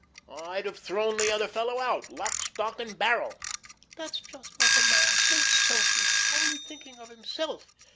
I'd have thrown the other fellow out, lock, stock, and barrel." "That's just like a man, so selfish, only thinking of himself.